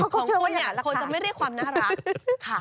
ของคุณอ่ะคุณจะไม่เรียกความน่ารัก